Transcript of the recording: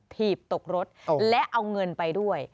ถีบตกรถและเอาเงินไปด้วย